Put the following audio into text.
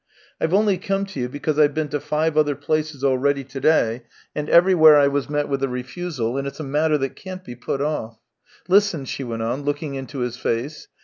I've only come to you because I've been to five other places already to day, and everywhere I was met with a refusal, and it's a matter that can't be put off. Listen." she went on, looking into his face.